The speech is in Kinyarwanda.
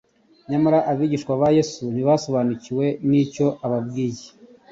Nyamara abigishwa ba Yesu ntibasobariukiwe n'icyo ababwiye.